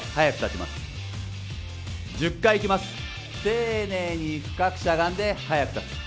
丁寧に深くしゃがんで速く立つ。